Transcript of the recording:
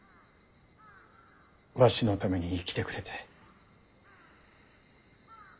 わしのために生きてくれて。